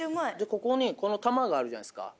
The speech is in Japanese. ここに玉があるじゃないですか